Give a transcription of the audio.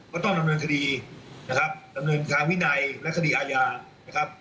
ก็ต้องดำเนินคดีดำเนินความวินัยและคดีอาญา